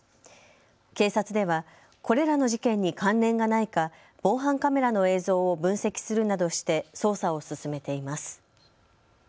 警察ではこれらの事件に関連がないか防犯カメラの映像を分析するなどして捜査を進めています。